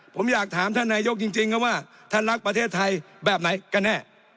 ผมอยากถามท่านนายกจริงครับว่าท่านรักประเทศไทยแบบไหนกันแน่